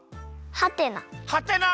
はてな。